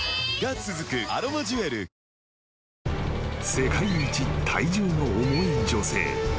［世界一体重の重い女性。